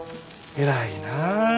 偉いなぁ。